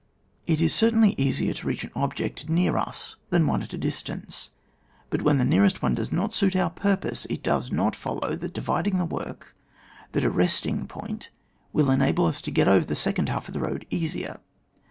It is certainly easier to reach an object near us than one at a distance, but when the nearest one does not suit our purpose it does not follow that dividing the work, that a resting point, will enable us to get over the second half of the road easier.